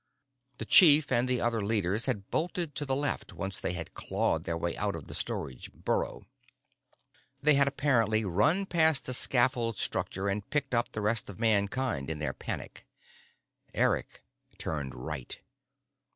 The chief and the other leaders had bolted to the left once they had clawed their way out of the storage burrow. They had apparently run past the scaffold structure and picked up the rest of Mankind in their panic. Eric turned right.